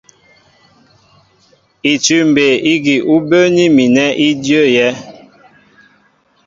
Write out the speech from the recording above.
Itʉ̂m mbey ígi ú bə́ə́ní mi nɛ í ndyə́yɛ́.